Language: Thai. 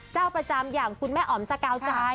เจ้าประจำอย่างคุณแม่อ๋อมสกาวใจ